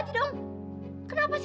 kenapa ga boleh